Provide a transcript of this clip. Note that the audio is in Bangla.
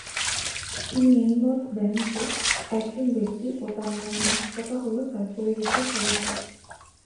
তিনি এই মত দেন যে একজন ব্যক্তি ও তার মন-মানসিকতা হল তার পরিবেশের ফলাফল।